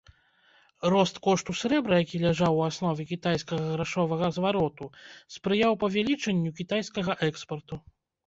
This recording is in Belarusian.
Рост кошту срэбра, які ляжаў у аснове кітайскага грашовага звароту, спрыяў павелічэнню кітайскага экспарту.